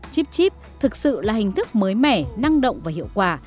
chipchip thực sự là hình thức mới mẻ năng động và hiệu quả